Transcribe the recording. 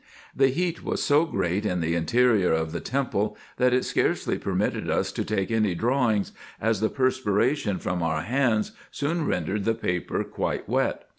The heat was so great in the interior of the temple, that it scarcely permitted us to take any drawings, as the perspiration from our hands soon rendered the paper quite wet.